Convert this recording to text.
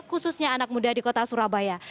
khususnya anak muda di kota surabaya